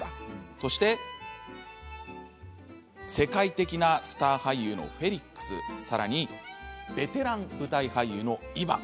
そして世界的なスター俳優のフェリックス、さらにベテラン舞台俳優のイバン。